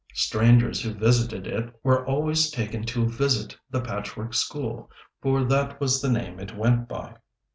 Strangers who visited it were always taken to visit the Patchwork School, for that was the name it went by.